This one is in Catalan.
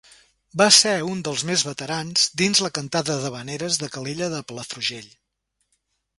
Va ser un dels més veterans dins la cantada d'havaneres de Calella de Palafrugell.